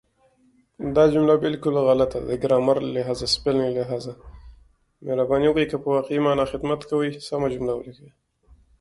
احمد اوس سپين ږير دی؛ ګوز يې تر خوټو نه تېرېږي.